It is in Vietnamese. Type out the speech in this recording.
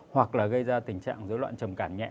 hoặc là gây ra tình trạng dối loạn trầm cảm nhẹ